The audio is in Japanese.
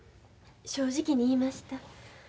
正直に言いました。